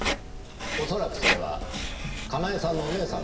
恐らくそれはかなえさんのお姉さんですね？